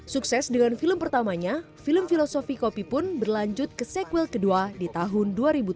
sukses dengan film pertamanya film filosofi kopi pun berlanjut ke sekuel kedua di tahun dua ribu tujuh belas